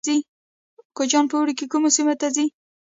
کوچیان په اوړي کې کومو سیمو ته ځي؟